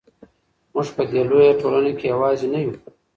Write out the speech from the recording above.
موږ په دې لویه ټولنه کې یوازې نه یو.